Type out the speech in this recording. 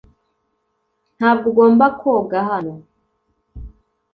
Ntabwo ugomba koga hano